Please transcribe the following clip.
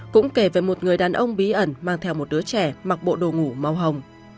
cũng kể về một người đàn ông bí ẩn mang theo một đứa trẻ mặc bộ đồ ngủ hồng